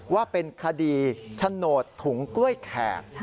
ว่าเป็นคดีโฉนดถุงกล้วยแขก